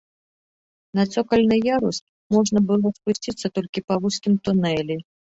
На цокальны ярус можна было спусціцца толькі па вузкім тунэлі.